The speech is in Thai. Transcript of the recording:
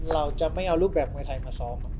เราจะไม่เอารูปแบบมวยไทยมาซ้อม